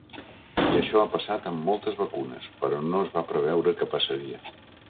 I això ha passat amb moltes vacunes, però no es va preveure que passaria.